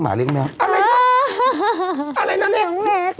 คือกลัวความนัก